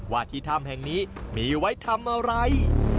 วัฒนธรรมแห่งนี้มีไว้ทำอะไร